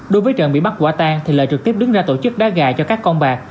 đối với trần bị bắt quả tan thì lợi trực tiếp đứng ra tổ chức đá gà cho các con bạc